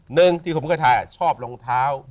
หนึ่งที่ผมก็ถ่ายชอบรองเท้า